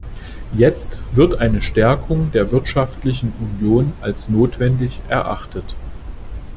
Jetzt wird eine Stärkung der wirtschaftlichen Union als notwendig erachtet.